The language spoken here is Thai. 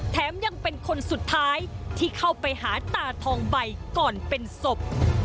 แถมยังเป็นคนสุดท้ายที่เข้าไปหาตาทองใบก่อนเป็นศพ